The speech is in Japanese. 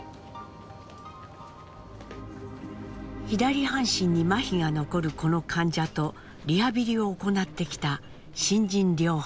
左半身にまひが残るこの患者とリハビリを行ってきた新人療法士。